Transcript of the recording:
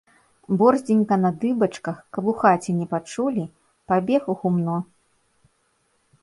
Борздзенька на дыбачках, каб у хаце не пачулі, пабег у гумно.